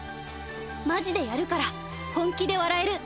マジでやるから本気で笑える！